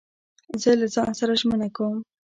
زه له ځان سره ژمنه کوم.